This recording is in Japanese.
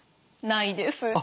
ないです。